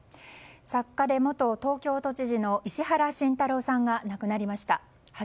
作家で元東京都知事の石原慎太郎さんが亡くなりました。